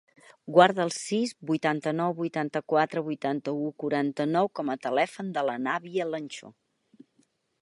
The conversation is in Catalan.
Guarda el sis, vuitanta-nou, vuitanta-quatre, vuitanta-u, quaranta-nou com a telèfon de l'Anabia Lancho.